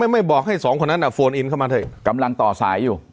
ไม่บอกให้สองคนนั้นโฟนอินเข้ามาเถอะกำลังต่อสายอยู่